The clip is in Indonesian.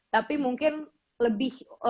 tapi mungkin lebih